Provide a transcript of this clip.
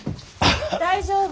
大丈夫？